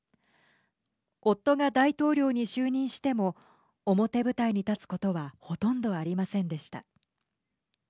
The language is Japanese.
夫が大統領に就任しても表舞台に立つことはほとんどありませんでした。